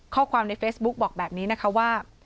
ข้อความในเฟซบุ๊คบอกแบบนี้นะคะว่า